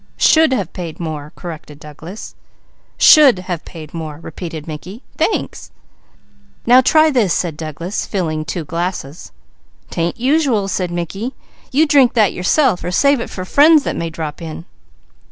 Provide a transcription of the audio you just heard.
"Should have paid more," corrected Douglas. "'Should have paid more,'" repeated Mickey. "Thanks!" "Now try this," said Douglas, filling two glasses. "'Tain't usual!" said Mickey. "You drink that yourself or save it for friends that may drop in."